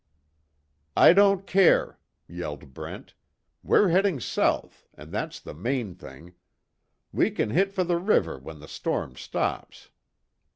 "I don't care," yelled Brent, "We're heading south, and that's the main thing. We can hit for the river when the storm stops."